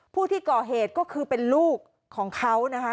ผู้ที่ก่อเหตุก็คือเป็นลูกของเขานะคะ